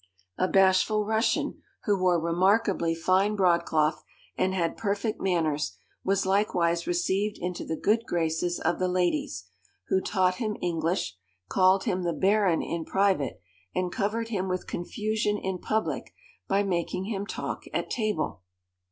A bashful Russian, who wore remarkably fine broadcloth and had perfect manners, was likewise received into the good graces of the ladies, who taught him English, called him 'the Baron' in private, and covered him with confusion in public by making him talk at table.